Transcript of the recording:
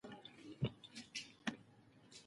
هندي او ترکي سريالونه ټولنه اغېزمنوي.